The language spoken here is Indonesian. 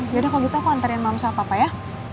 yaudah kalau gitu aku antarin mama sama papa ya